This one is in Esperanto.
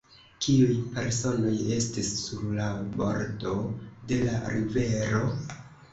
Kiuj personoj estis sur la bordo de la rivero?